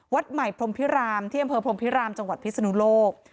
วัดใหม่พรมพิรามที่อำเภอพรมพิรามจังหวัดพิศนุโลก